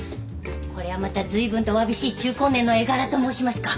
これはまたずいぶんとわびしい中高年の絵柄と申しますか。